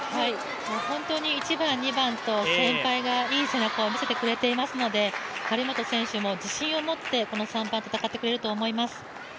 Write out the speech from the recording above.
本当に１番、２番と、先輩がいい背中を見せてくれていますので、張本選手も自信を持って、この３番、戦ってくれると思います。